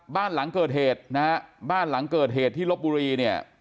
บ้านหลังเกิดเหตุนะฮะบ้านหลังเกิดเหตุที่ลบบุรีเนี่ย